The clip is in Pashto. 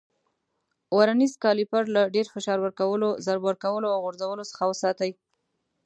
ورنیز کالیپر له ډېر فشار ورکولو، ضرب ورکولو او غورځولو څخه وساتئ.